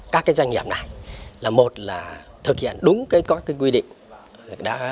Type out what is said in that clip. các doanh nghiệp này là một là thực hiện đúng các quy định